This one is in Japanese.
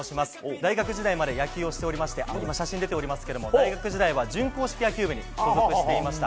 大学時代まで野球をしておりまして写真、出ておりますが大学時代は準硬式野球部に所属していました。